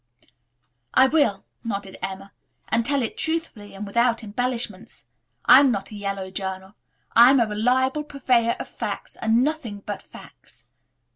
"I will," nodded Emma, "and tell it truthfully and without embellishments. I am not a yellow journal. I am a reliable purveyor of facts and nothing but facts."